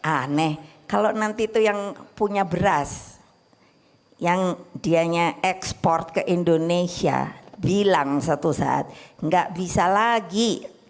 aneh kalau nanti itu yang punya beras yang dianya ekspor ke indonesia bilang satu saat nggak bisa lagi